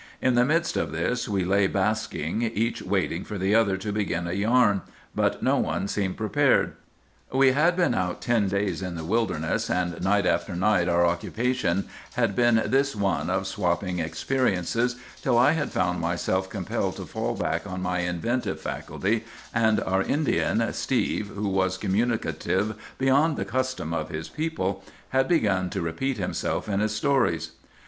In the midst of this we lay basking, each waiting for the other to begin a yarn; but no one seemed prepared. "We had been out ten days in the wilderness; and night after night our occupation had been this one of 'swapping' experiences, till I had found myself compelled to fall back on my inventive faculty, and our Indian, Steve, who was communicative beyond the custom of his people, had begun to repeat himself in his stories.